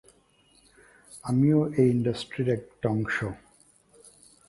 দীর্ঘদিন যাবত যুক্তরাজ্যের রাজধানী লন্ডনে বসবাস করছেন।